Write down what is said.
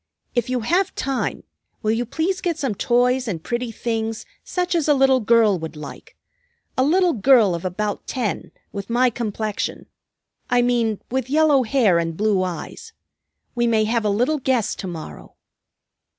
"If you have time, will you please get some toys and pretty things such as a little girl would like; a little girl of about ten, with my complexion, I mean, with yellow hair and blue eyes. We may have a little guest to morrow."